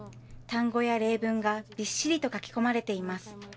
単語や例文がびっしりと書き込まれています。